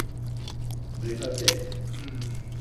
No i faltez!